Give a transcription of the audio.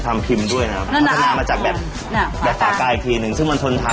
ทำไมไม่ใช่ว่าใช้อันนี้อย่างเดียวนะครับ